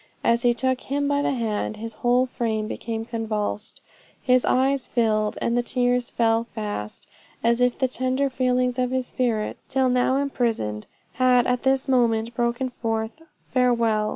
As he took him by the hand, his whole frame became convulsed, his eye filled, and the tears fell fast, as if all the tender feelings of his spirit, till now imprisoned, had at this moment broken forth 'farewell!'